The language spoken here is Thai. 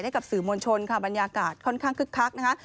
กับสื่อมวลชนค่ะบรรยากาศค่อนข้างคึกคักนะคะ